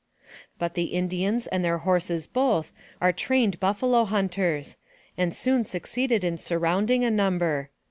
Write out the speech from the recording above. But the Indians and their horses both are trained buffalo hunters, and soon succeeded in surrounding a number.